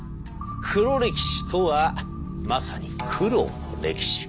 黒歴史とはまさに苦労の歴史。